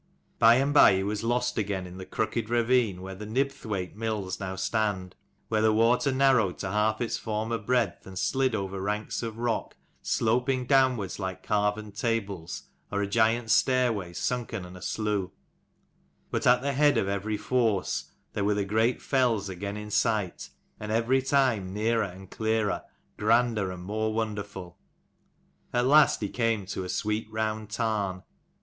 By and by he was lost again in the crooked ravine where the Nibthwaite Mills now stand, where the water narrowed to half its former breadth, and slid over ranks of rock, sloping downwards like carven tables, or a giant's stairway, sunken and aslew. But at the head of every force, there were the great fells again in sight, and every time nearer and clearer, grander and more wonderful. At last he came to a sweet round tarn.